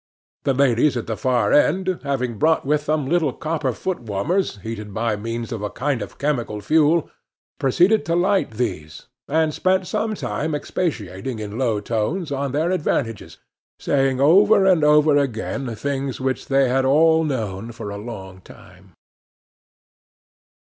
The ladies at the far end, having brought with them little copper foot warmers heated by means of a kind of chemical fuel, proceeded to light these, and spent some time in expatiating in low tones on their advantages, saying over and over again things which they had all known for a long time.